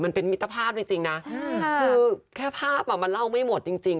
มันเป็นมิตรภาพจริงนะคือแค่ภาพมันเล่าไม่หมดจริง